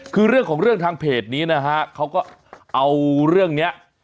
คือเรื่องของเรื่องทางเพจนี้นะฮะเขาก็เอาเรื่องนี้